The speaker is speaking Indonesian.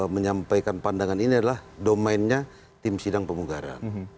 menyampaikan pandangan ini adalah domennya tim sindang pembugaran